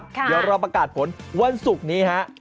เดี๋ยวรอประกาศผลวันศุกร์นี้ฮะ